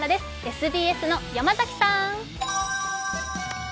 ＳＢＳの山崎さん。